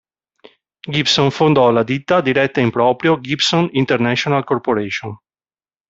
Gibson fondò la ditta diretta in proprio "Gibson International Corporation".